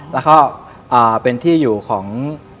แล้วก็เป็นที่อยู่ของ